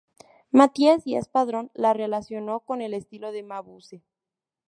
Matías Díaz Padrón la relacionó con el estilo de Mabuse.